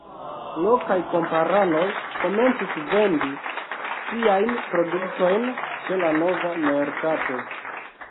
Lokaj kamparanoj komencis vendi siajn produktojn ĉe la nova merkato.